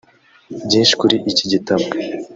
Byinshi kuri iki gitabo